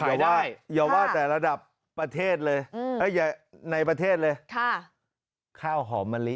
ขายได้ค่ะอย่าว่าแต่ระดับประเทศเลยอย่าในประเทศเลยข้าวหอมมะลิ